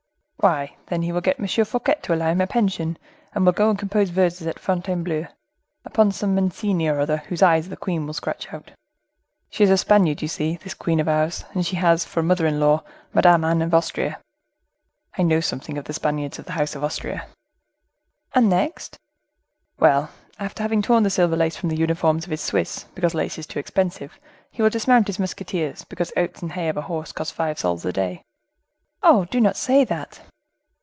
"Why, then he will get M. Fouquet to allow him a pension, and will go and compose verses at Fontainebleau, upon some Mancini or other, whose eyes the queen will scratch out. She is a Spaniard, you see,—this queen of ours; and she has, for mother in law, Madame Anne of Austria. I know something of the Spaniards of the house of Austria." "And next?" "Well, after having torn the silver lace from the uniforms of his Swiss, because lace is too expensive, he will dismount his musketeers, because oats and hay of a horse cost five sols a day." "Oh! do not say that."